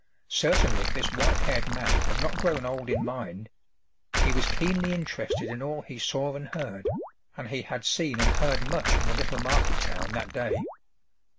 Certainly this white haired man had not grown old in mind; he was keenly interested in all he saw and heard, and he had seen and heard much in the little market town that day.